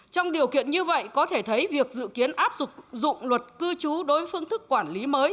trong điều kiện như vậy có thể thấy việc dự kiến áp dụng luật cư trú đối với phương thức quản lý mới